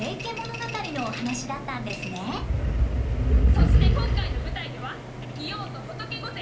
そして今回の舞台では王と仏御前が。